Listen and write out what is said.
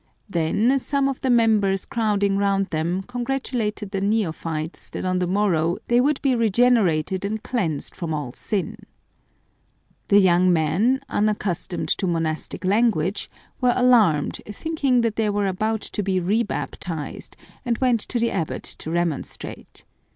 Then some of the members crowding round them congratulated the neophytes that on the morrow " they would be regenerated and cleansed from all sin." The young men, unaccustomed to monastic language, were alarmed, thinking that they were about to be rebaptized, and went to the abbot to remonstrate.